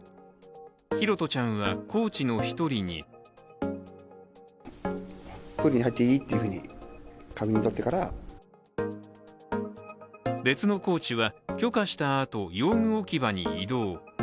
拓社ちゃんはコーチの１人に別のコーチは許可したあと、用具置き場に移動。